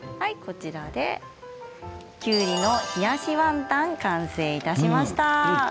きゅうりの冷やしワンタン完成いたしました。